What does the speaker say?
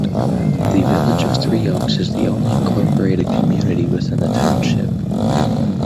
The village of Three Oaks is the only incorporated community within the township.